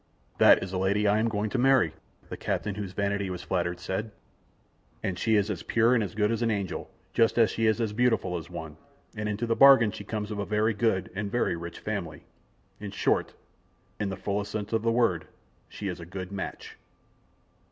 "That is the lady I am going to marry," the captain, whose vanity was flattered, said, "and she is as pure and as good as an angel, just as she is as beautiful as one, and into the bargain she comes of a very good and very rich family; in short, in the fullest sense of the word, she is 'a good match.'"